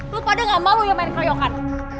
lo pada gak malu ya main keroyokan